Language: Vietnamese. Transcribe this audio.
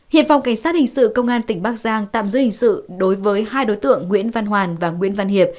hiện phòng cảnh sát hình sự công an tỉnh bắc giang tạm giữ hình sự đối với hai đối tượng nguyễn văn hoàn và nguyễn văn hiệp